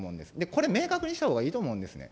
これ、明確にしたほうがいいと思うんですね。